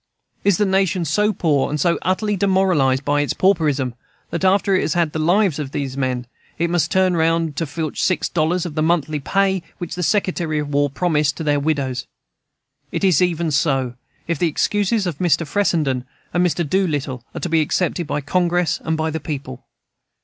Is the nation so poor, and so utterly demoralized by its pauperism, that after it has had the lives of these men, it must turn round to filch six dollars of the monthly pay which the Secretary of War promised to their widows? It is even so, if the excuses of Mr. Fressenden and Mr. Doolittle are to be accepted by Congress and by the people.